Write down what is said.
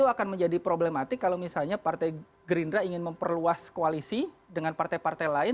itu akan menjadi problematik kalau misalnya partai gerindra ingin memperluas koalisi dengan partai partai lain